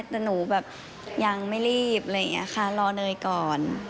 แต่หนูแบบอย่างไม่รีบนะคะรอเนยก่อน